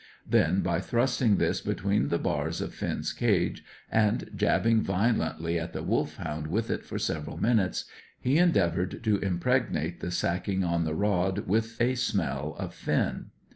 Then, by thrusting this between the bars of Finn's cage, and jabbing violently at the Wolfhound with it for several minutes, he endeavoured to impregnate the sacking on the rod with a smell of Finn.